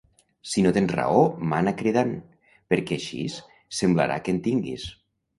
Si no tens raó mana cridant, perquè axis semblarà que en tinguis